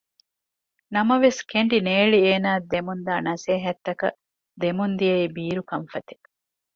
ނަމަވެސް ކެނޑިނޭޅި އޭނާއަށް ދެމުންދާ ނަސޭހަތްތަކަށް ދެމުންދިޔައީ ބީރު ކަންފަތެއް